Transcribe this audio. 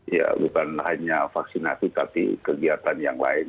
ya bukan hanya vaksinasi tapi kegiatan yang lain